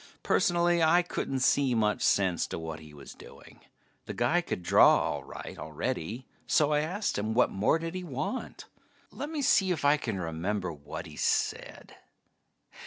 Personally, I couldn't see much sense to what he was doing. The guy could draw all right already, so I asked him what more did he want? Lemme see if I can remember what he said.